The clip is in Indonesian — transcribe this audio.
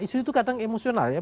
isu itu kadang emosional ya